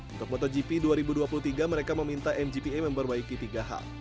untuk motogp dua ribu dua puluh tiga mereka meminta mgpa memperbaiki tiga hal